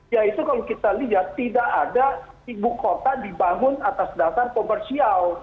yaitu kalau kita lihat tidak ada ibu kota dibangun atas dasar komersial